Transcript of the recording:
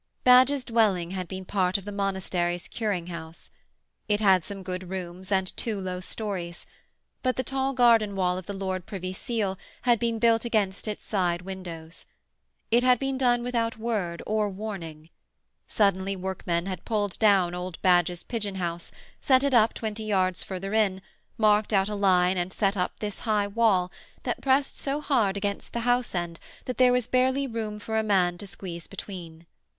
Badge's dwelling had been part of the monastery's curing house. It had some good rooms and two low storeys but the tall garden wall of the Lord Privy Seal had been built against its side windows. It had been done without word or warning. Suddenly workmen had pulled down old Badge's pigeon house, set it up twenty yards further in, marked out a line and set up this high wall that pressed so hard against the house end that there was barely room for a man to squeeze between.